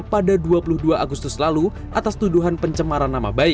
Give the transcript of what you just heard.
pada dua puluh dua agustus lalu atas tuduhan pencemaran nama baik